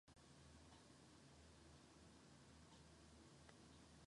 Zaupaj v lastno pamet, a posvetuj se s tujo.